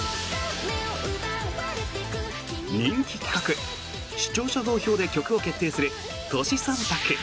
人気企画視聴者投票で曲を決定するＴｏｓｈｌ３択。